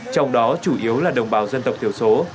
trong đó chủ yếu là đồng bào dân tộc thiểu số